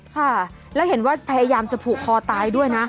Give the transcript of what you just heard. ค่ะแล้วเห็นว่าพยายามจะผูกคอตายด้วยนะ